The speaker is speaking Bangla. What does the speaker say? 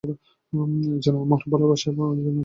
একজন আমার ভালবাসার মানুষ, আর অন্যজন আমার বন্ধু।